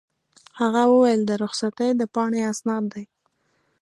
هغه وویل: د رخصتۍ د پاڼې اسناد دي.